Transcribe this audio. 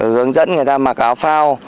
hướng dẫn người ta mặc áo phao